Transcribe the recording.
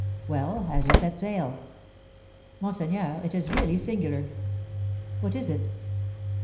"Well, has he set sail?" "Monseigneur, it is really singular!" "What is it?"